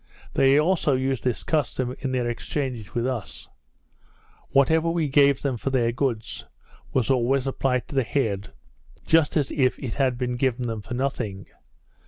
They also used this custom in their exchanges with us; whatever we gave them for their goods, was always applied to the head, just as if it had been given them for nothing.